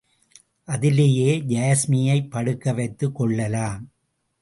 அதிலே யாஸ்மியைப் படுக்க வைத்துக் கொள்ளலாம்.